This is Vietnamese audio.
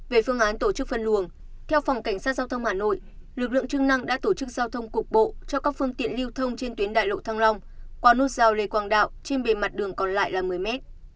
về phương án tổ chức phân luồng theo phòng cảnh sát giao thông hà nội lực lượng chức năng đã tổ chức giao thông cục bộ cho các phương tiện lưu thông trên tuyến đại lộ thăng long qua nút giao lê quang đạo trên bề mặt đường còn lại là một mươi mét